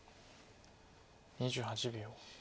２８秒。